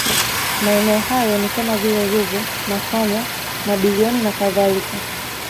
Maeneo hayo ni kama vile Ruvu Makanya Mabilioni na kadhalika